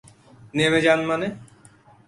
নেমে যান মানে?